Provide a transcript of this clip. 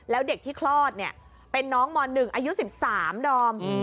แล้วเด็กที่คลอดเนี่ยเป็นน้องม๑อายุ๑๓ดอม